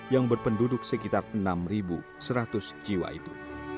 yang berpenduduk sekitar enam seratus jiwa itu